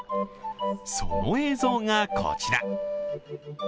その映像がこちら。